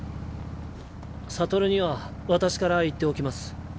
悟には私から言っておきます。